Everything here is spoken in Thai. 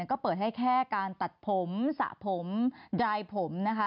ก็เปิดให้แค่การตัดผมสระผมดรายผมนะคะ